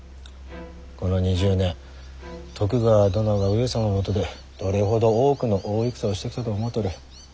この２０年徳川殿が上様のもとでどれほど多くの大戦をしてきたと思うとる？